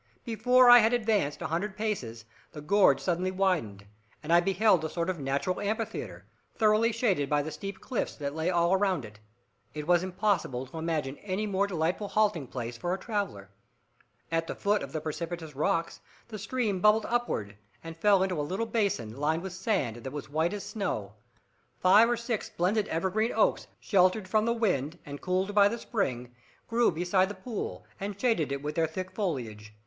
Before I had advanced a hundred paces, the gorge suddenly widened, and I beheld a sort of natural amphitheatre, thoroughly shaded by the steep cliffs that lay all around it. It was impossible to imagine any more delightful halting place for a traveller. At the foot of the precipitous rocks, the stream bubbled upward and fell into a little basin, lined with sand that was as white as snow. Five or six splendid evergreen oaks, sheltered from the wind, and cooled by the spring, grew beside the pool, and shaded it with their thick foliage.